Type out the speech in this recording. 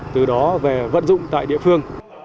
từ đó về vận dụng tại địa phương